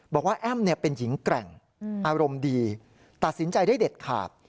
บอกว่าแอ้มเป็นหญิงแกร่งอารมณ์ดีตัดสินใจได้เด็ดขาด